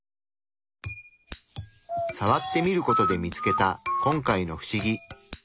さわってみることで見つけた今回の不思議。